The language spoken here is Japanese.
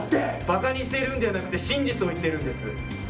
馬鹿にしてるんじゃなくて真実を言ってるんです。